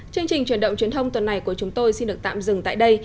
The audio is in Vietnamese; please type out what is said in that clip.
chương trình truyền động truyền thông tuần này của chúng tôi xin được tạm dừng tại đây